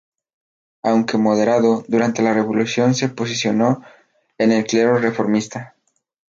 Aunque moderado, durante la revolución se posicionó con el clero reformista.